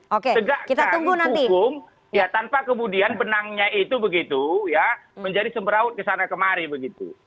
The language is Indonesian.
segegakan hukum tanpa kemudian benangnya itu begitu menjadi semberaut ke sana kemari begitu